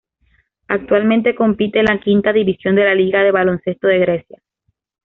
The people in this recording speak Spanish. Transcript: Actualmente compite en la quinta división de la Liga de baloncesto de Grecia.